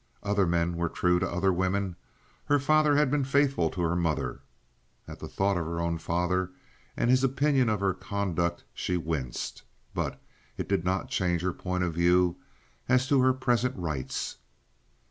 Other men were true to other women. Her father had been faithful to her mother. At the thought of her own father and his opinion of her conduct she winced, but it did not change her point of view as to her present rights.